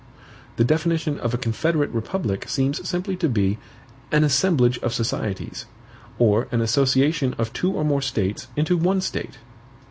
The definition of a CONFEDERATE REPUBLIC seems simply to be "an assemblage of societies," or an association of two or more states into one state.